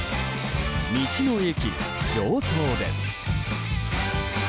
道の駅常総です。